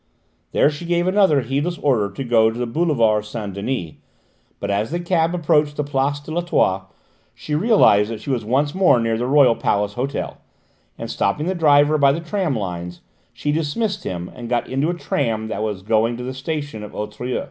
There she gave another heedless order to go to the boulevard Saint Denis, but as the cab approached the place de l'Etoile she realised that she was once more near the Royal Palace Hotel, and stopping the driver by the tram lines she dismissed him and got into a tram that was going to the station of Auteuil.